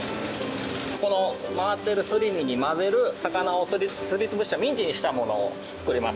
この回ってるすり身に混ぜる魚をすり潰したミンチにしたものを作ります。